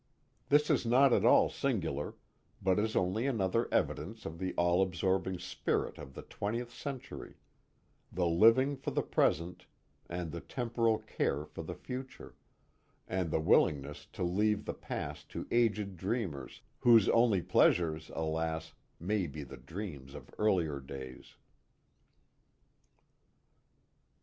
This is not at all singular, but is only another evidence of the all absorbing spirit of the twentieth century, — the living for the present and the temporal care for the future, and the will ingness to leave the past to aged dreamers whose only pleasures, alas, may be the dreams of earlier days.